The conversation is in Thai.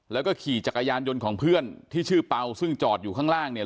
แล้วก็ขี่จักรยานยนต์ของเพื่อนที่ชื่อเป่าซึ่งจอดอยู่ข้างล่างเนี่ย